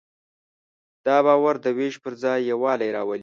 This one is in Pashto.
دا باور د وېش پر ځای یووالی راولي.